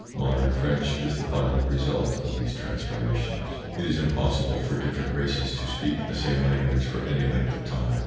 Modern French is the final result of these transformations. It is impossible for different races to speak the same language for any length of time.